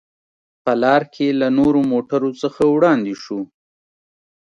په لار کې له نورو موټرو څخه وړاندې شوو.